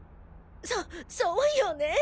そっそうよね。